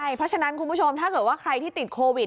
ใช่เพราะฉะนั้นคุณผู้ชมถ้าใครที่ติดโควิด